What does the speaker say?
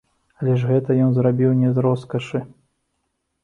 Але ж гэта ён зрабіў не з роскашы!